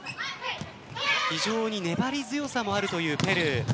非常に粘り強さもあるというペルー。